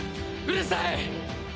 うるさい！